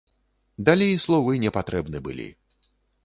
Далей словы непатрэбны былі.